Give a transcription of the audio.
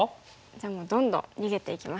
じゃあもうどんどん逃げていきます。